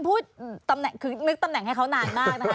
ผมนึกตำแหน่งให้เขานานมากค่ะ